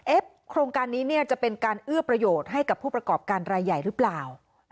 โครงการนี้เนี่ยจะเป็นการเอื้อประโยชน์ให้กับผู้ประกอบการรายใหญ่หรือเปล่า